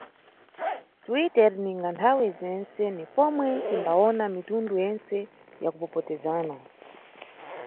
Twitter ninga nthawe zentse ni pomwe timbawona mitundu yentse ya kupopotezana.